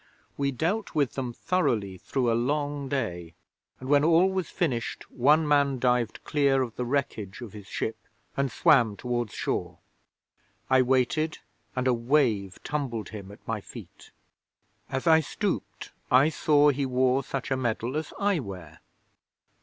We dealt with them thoroughly through a long day: and when all was finished, one man dived clear of the wreckage of his ship, and swam towards shore. I waited, and a wave tumbled him at my feet. 'As I stooped, I saw he wore such a medal as I wear.'